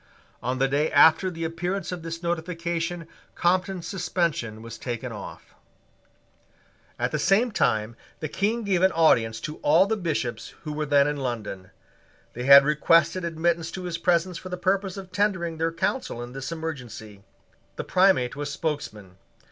On the day after the appearance of this notification Compton's suspension was taken off. At the same time the King gave an audience to all the Bishops who were then in London. They had requested admittance to his presence for the purpose of tendering their counsel in this emergency. The Primate was spokesman.